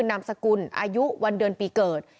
นามสกุลอายุวันเดือนปีเกิด